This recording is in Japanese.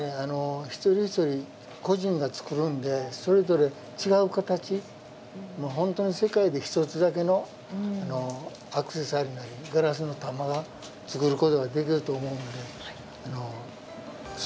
一人一人、個人が作るのでそれぞれ違う形本当に世界で１つだけのアクセサリー、ガラスの玉を作ることができるんです。